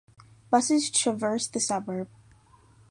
Buses traverse the suburb.